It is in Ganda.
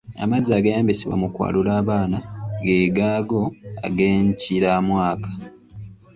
Amazzi ageeyambisibwa mu kwalula abaana ge gaago ag'enkiramwaka.